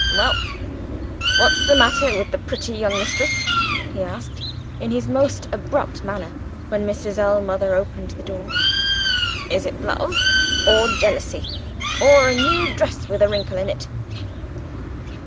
"Well? What's the matter with the pretty young mistress?" he asked, in his most abrupt manner, when Mrs. Ellmother opened the door. "Is it love? or jealousy? or a new dress with a wrinkle in it?"